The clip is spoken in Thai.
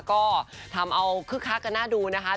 ก็ทำเอาคึกคักกันน่าดูนะคะ